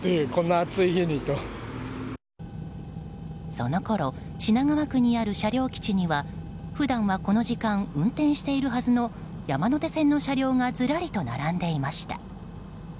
そのころ品川区にある車両基地には普段はこの時間運転しているはずの山手線の車両がずらりと並んでいました。